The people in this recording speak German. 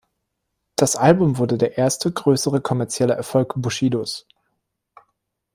Das Album wurde der erste größere kommerzielle Erfolg Bushidos.